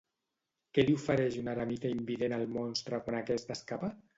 Què li ofereix un eremita invident al monstre quan aquest escapa?